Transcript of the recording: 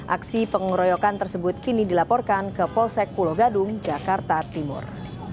aksi pengeroyokan tersebut kini dilaporkan ke polsek pulau gadung jakarta timur